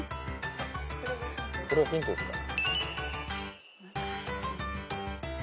これヒントですか？